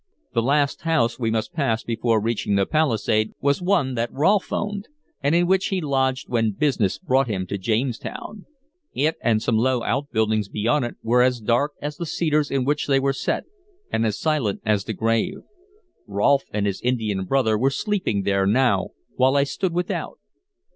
The last house we must pass before reaching the palisade was one that Rolfe owned, and in which he lodged when business brought him to Jamestown. It and some low outbuildings beyond it were as dark as the cedars in which they were set, and as silent as the grave. Rolfe and his Indian brother were sleeping there now, while I stood without.